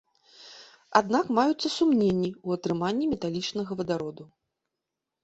Аднак маюцца сумненні ў атрыманні металічнага вадароду.